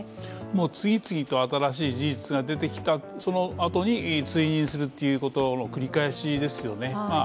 次々と新しい事実が出てきた、そのあとに追認するということの繰り返しですよね。